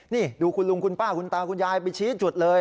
นี่ดูคุณลุงคุณป้าคุณตาคุณยายไปชี้จุดเลย